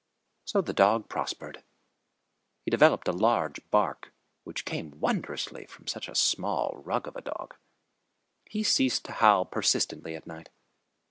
So the dog prospered. He developed a large bark, which came wondrously from such a small rug of a dog. He ceased to howl persistently at night.